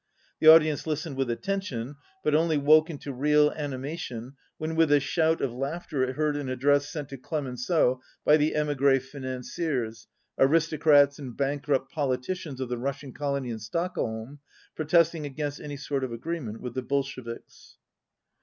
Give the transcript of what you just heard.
The audi ence listened with attention, but only woke into real animation when with a shout of laughter it heard an address sent to Clemenceau by the emigre financiers, aristocrats and bankrupt politicians of the Russian colony in Stockholm, protesting against any sort of agreement with the Bolsheviks.